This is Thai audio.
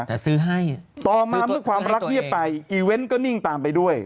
แต่ซื้อให้ต่อมาเมื่อความรักเงียบไปอีเวนต์ก็นิ่งตามไปด้วย